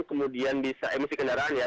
kemudian bisa emosi kendaraan ya